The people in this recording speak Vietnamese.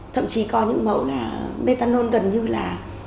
thậm chí có những mẫu là metanol gần như là một trăm linh